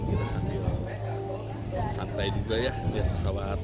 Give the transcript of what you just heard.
kita santai juga ya melihat pesawat